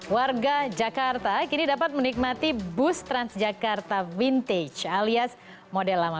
warga jakarta kini dapat menikmati bus transjakarta vintage alias model lama